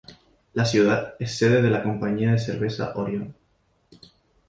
La ciudad es sede de la compañía de cerveza Orion.